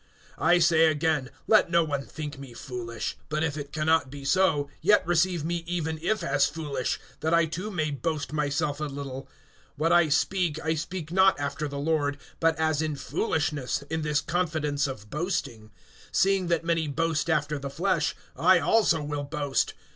(16)I say again, let no one think me foolish; but if it can not be so, yet receive me even if as foolish, that I too may boast myself a little. (17)What I speak, I speak not after the Lord, but as in foolishness, in this confidence of boasting. (18)Seeing that many boast after the flesh, I also will boast.